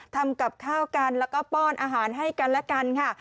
ทำกับข้าวกันแล้วก็ป้อนอาหารให้กันและกันค่ะ